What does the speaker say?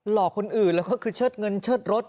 คนอื่นแล้วก็คือเชิดเงินเชิดรถ